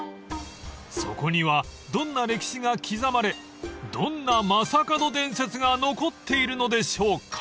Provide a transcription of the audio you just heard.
［そこにはどんな歴史が刻まれどんな将門伝説が残っているのでしょうか？］